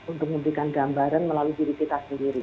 untuk memberikan gambaran melalui diri kita sendiri